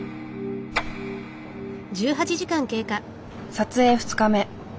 撮影２日目。